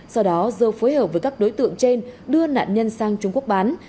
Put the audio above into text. sau đó dơ phối hợp với các đối tượng trên đưa nạn nhân sang trung quốc bán